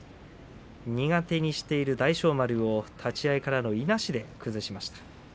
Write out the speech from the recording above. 苦手にしている大翔丸を立ち合いからのいなしで崩しました。